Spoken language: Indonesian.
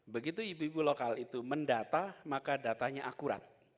begitu ibu ibu lokal itu mendata maka datanya akurat